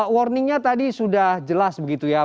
warningnya tadi sudah jelas begitu ya